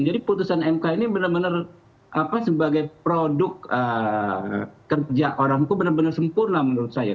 jadi putusan mk ini benar benar sebagai produk kerja orang itu benar benar sempurna menurut saya